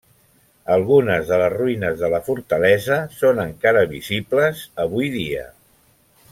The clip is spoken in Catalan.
Algunes de les ruïnes de la fortalesa són encara visibles avui dia.